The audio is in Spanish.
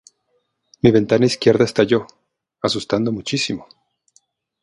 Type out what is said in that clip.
Mi ventana izquierda estalló, asustando muchísimo.